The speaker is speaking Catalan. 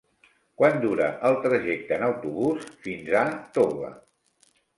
Quant dura el trajecte en autobús fins a Toga?